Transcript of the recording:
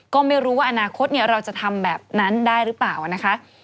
ก็ไม่รู้ว่าอนาคตเราจะทำแบบนั้นได้หรือเปล่านะคะ